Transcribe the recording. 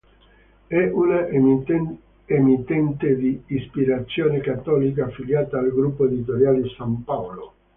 È una emittente di ispirazione cattolica, affiliata al Gruppo Editoriale San Paolo.